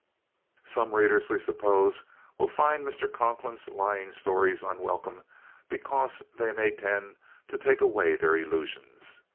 Some readers we suppose will find Mr. Conklin's lion stories unwelcome because they may tend to take away their illusions.